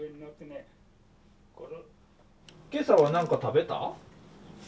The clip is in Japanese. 今朝はなんか食べた？